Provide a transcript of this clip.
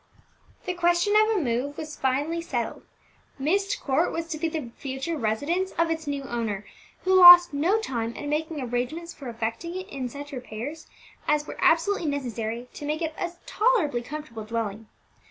The question of a move was finally settled; Myst Court was to be the future residence of its new owner, who lost no time in making arrangements for effecting in it such repairs as were absolutely necessary to make it a tolerably comfortable dwelling.